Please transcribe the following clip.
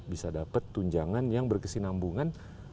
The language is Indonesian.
bisa dapat tunjangan yang berkesinambungan